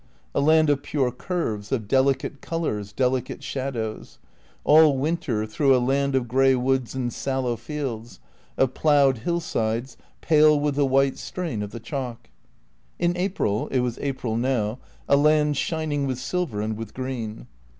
A land of pure curves, of delicate colours, delicate shadows; all winter through a land of grey woods and sallow fields, of ploughed hillsides pale with the white strain of the chalk. In April (it was April now) a land shining with silver and with green.